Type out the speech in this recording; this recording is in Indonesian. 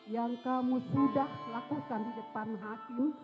yang kamu sudah lakukan di depan hakim